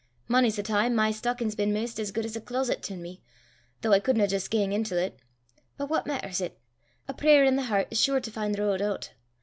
Mony's the time my stockin' 's been 'maist as guid 's a cloaset to me, though I cudna jist gang intil 't. But what maitters 't! A prayer i' the hert 's sure to fin' the ro'd oot.